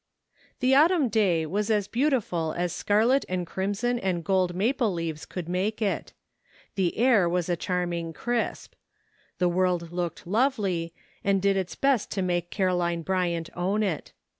rpiHE autumn day was as beautiful as scar let and crimson and gold maple leaves could make it. The air was a charming crisp. The world looked lovely, and did its best to make Caroline Bryant own it.